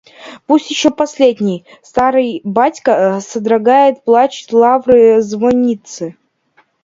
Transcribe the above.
Пусть еще последний, старый батька содрогает плачем лавры звонницы.